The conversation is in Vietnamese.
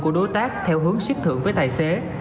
của đối tác theo hướng siết thưởng với tài xế